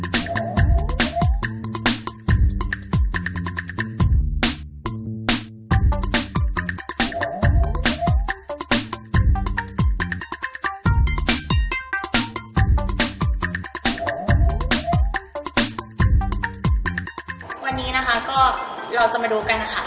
วันนี้นะคะก็เราจะมาดูกันค่ะผ้าทรงทำผมง่ายก็แบบมันจะออกมาเป็นยังไงเราไปดูกันค่ะ